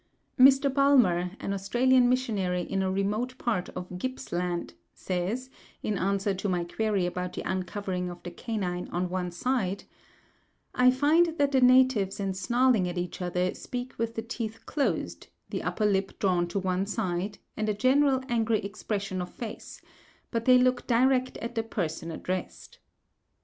Mr. Bulmer, an Australian missionary in a remote part of Gipps' Land, says, in answer to my query about the uncovering of the canine on one side, "I find that the natives in snarling at each other speak with the teeth closed, the upper lip drawn to one side, and a general angry expression of face; but they look direct at the person addressed."